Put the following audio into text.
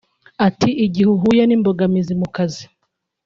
Ati “Igihe uhuye n’imbogamizi mu kazi